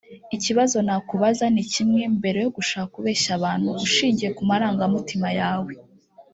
Ikibazo nakubaza ni kimwe mbere yo gushaka kubeshya abantu ushingiye ku marangamutima yawe